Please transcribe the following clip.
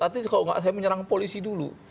artinya kalau enggak saya menyerang polisi dulu